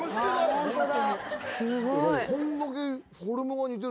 ホントに。